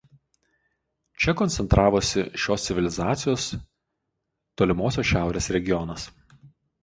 Čia koncentravosi šios civilizacijos Tolimosios Šiaurės regionas.